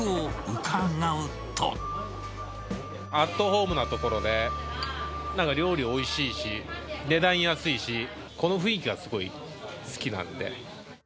アットホームなところで、なんか料理おいしいし、値段安いし、この雰囲気がすごい好きなんで。